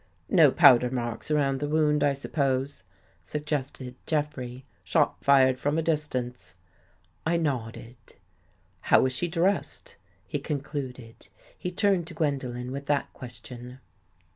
" No powder marks around the wound, I sup pose," suggested Jeffrey. " Shot fired from a dis tance." I nodded. "How was she dressed?" he concluded. He turned to Gwendolen with that question.